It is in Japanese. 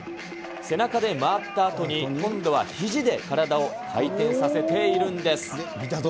背中で回ったあとに今度はひじで体を回転させているんです。